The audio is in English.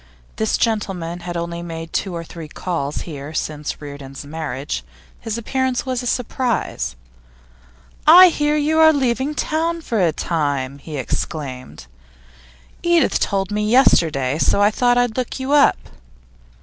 This gentleman had only made two or three calls here since Reardon's marriage; his appearance was a surprise. 'I hear you are leaving town for a time,' he exclaimed. 'Edith told me yesterday, so I thought I'd look you up.